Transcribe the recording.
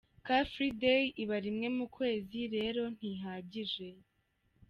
Car Free Day iba rimwe mu kwezi rero ntihagije”.